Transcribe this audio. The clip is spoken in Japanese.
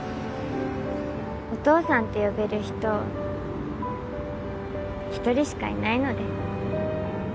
お父さんって呼べる人ひとりしかいないので。